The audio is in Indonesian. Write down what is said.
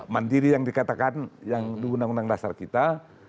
mandiri yang dikatakan yang di undang undang dasar kita